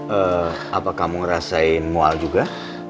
eee apakah kamu ngerasain mual juga